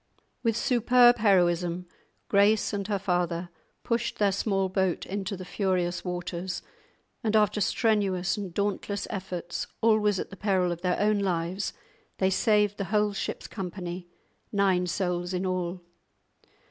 With superb heroism Grace and her father pushed their small boat into the furious waters, and after strenuous and dauntless efforts, always at the peril of their own lives, they saved the whole ship's company, nine souls in all.